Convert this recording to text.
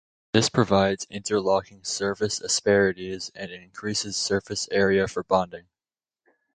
This provides interlocking surface asperities and increases surface area for bonding.